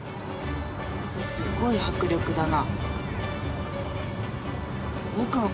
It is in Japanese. すごい迫力だな。